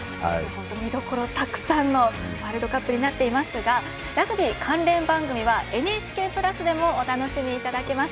見どころたくさんのワールドカップになっていますがラグビー関連番組はＮＨＫプラスでもお楽しみいただけます。